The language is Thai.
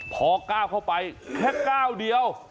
พอก้าวเข้าไปแค่ก้าวเดียว